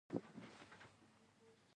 کله کله یوه کوچنۍ تیروتنه لویه ستونزه جوړوي